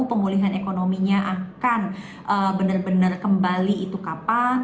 pemulihan ekonominya akan benar benar kembali itu kapan